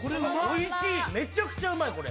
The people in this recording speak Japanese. めちゃくちゃうまいこれ。